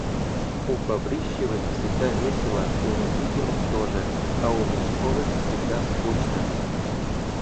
У Бобрищевых всегда весело, у Никитиных тоже, а у Межковых всегда скучно.